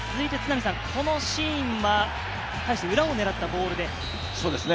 このシーンは、裏を狙ったボールで。